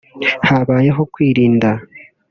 « Habayeho kwirinda